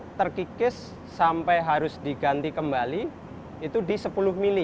iya dia terkikis sampai harus diganti kembali itu di sepuluh mm